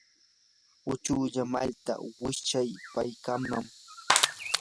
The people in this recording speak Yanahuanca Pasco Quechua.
uchuklla malta wichyapaykaaman.